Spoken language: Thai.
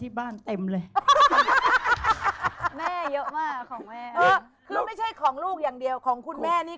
หอมันไม่ใช่ของลูกอย่างเดียวของคุณแม่นี้